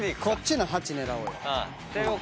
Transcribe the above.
こっちの８狙おうよ。